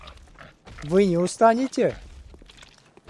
Вы не устанете?